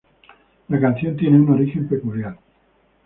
La canción tiene un origen peculiar.